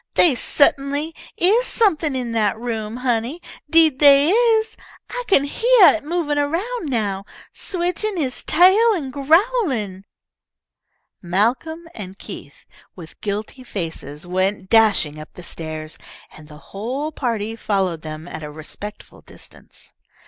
They sut'nly is something in that room, honey, deed they is. I kin heah it movin' around now, switchin' he's tail an' growlin'!" Malcolm and Keith, with guilty faces, went dashing up the stairs, and the whole party followed them at a respectful distance.